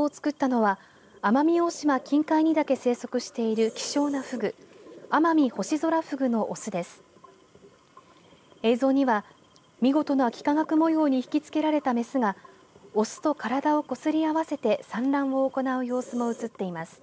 映像には見事な幾何学模様にひきつけられたメスがオスと体をこすり合わせて産卵を行う様子が写っています。